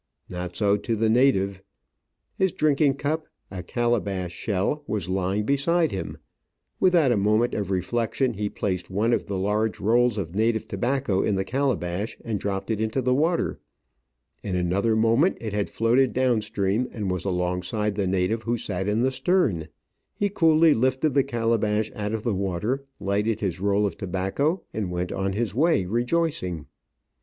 Not so to the native. His drinking cup, a calabash shell, was lying beside him ; without a moment of reflection he placed one of the large rolls of native tobacco in the calabash and dropped it into the water ; in another moment it had floated down stream and was alongside the native who sat in the stern ; he coolly lifted the calabash out of the water, lighted his roll of tobacco, and went on his way rejoicing.